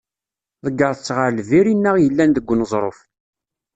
Ḍeggert-tt ɣer lbir inna yellan deg uneẓruf.